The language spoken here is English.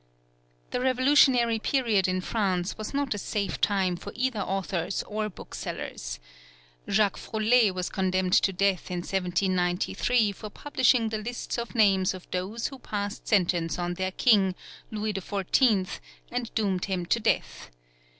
The Revolutionary period in France was not a safe time for either authors or booksellers. Jacques Froullé was condemned to death in 1793 for publishing the lists of names of those who passed sentence on their King, Louis XVI., and doomed him to death.